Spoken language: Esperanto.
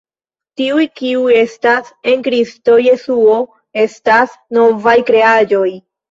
Tiuj, kiuj estas en Kristo Jesuo estas novaj kreaĵoj.